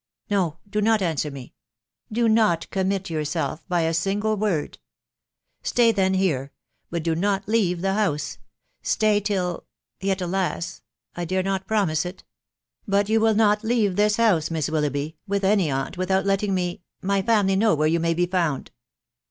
. No ! do not answer me .... do not commit yourself by a single word !...• Stay then here ;•.•. but do not leave the house !.... Stay till .... Yet, alas ! 1 dare not promise it !.... But you will not leave this house, Miss Willoughby, with any aunt, without letting me .... my family, know where yon may be found